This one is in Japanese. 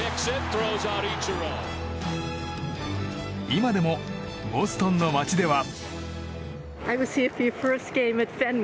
今でもボストンの街では。